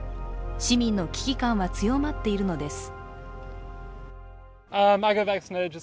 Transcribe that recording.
市民の危機感は強まっているのです。